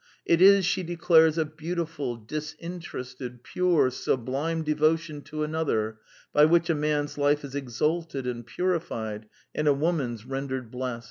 It is, she declares, a beau tiful, disinterested, pure, sublime devotion to an other by which a man's life is exalted and purified, and a woman's rendered blest.